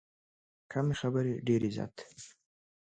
کمې خبرې، ډېر عزت.